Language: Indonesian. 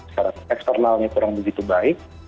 secara eksternalnya kurang begitu baik